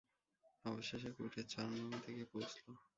অবশেষে এক উটের চারণ ভূমিতে গিয়ে পৌঁছল।